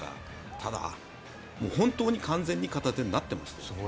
ただ、本当に完全に片手になってましたから。